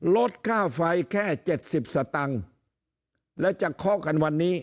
ลดค่าไฟแค่๗๐สตังค์แล้วจะเคาะกันวันนี้